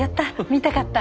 見たかった。